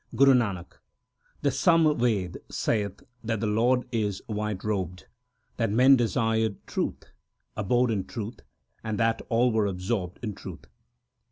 Guru Nanak The Sam Ved saith that the Lord is white robed, 3 that men desired truth, abode in truth, and that all were absorbed in truth.